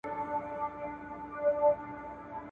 د «پت پلورني» ودي او ارزښت له ښځي څخه